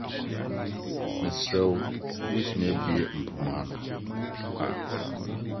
Mesrɛ wo wubetumi abue mpomma no?